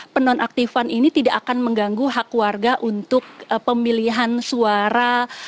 penonaktifan ini tidak akan mengganggu hak warga untuk pemilihan suara